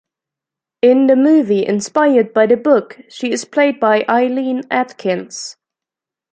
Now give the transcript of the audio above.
In the movie inspired by the book, she is played by Eileen Atkins.